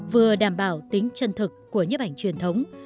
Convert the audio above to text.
vừa đảm bảo tính chân thực của nhếp ảnh truyền thống